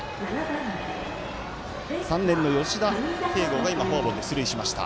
３年の吉田慶剛が今、フォアボールで出塁しました。